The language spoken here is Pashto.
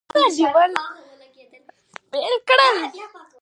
د قدرت نیولو سره سم یې اصلاحات پیل کړل.